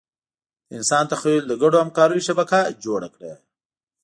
د انسان تخیل د ګډو همکاریو شبکه جوړه کړه.